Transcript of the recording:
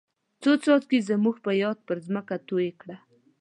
څو څاڅکي زموږ په یاد پر ځمکه توی کړه.